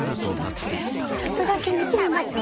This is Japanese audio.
ちょっとだけ見てみましょうよ。